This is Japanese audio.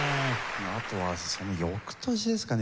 あとはその翌年ですかね。